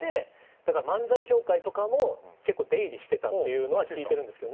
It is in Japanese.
だから漫才協会とかも結構出入りしてたっていうのは聞いてるんですけど。